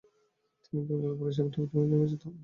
তিনি কলকাতা পৌরসভার deputy mayor নির্বাচিত হন।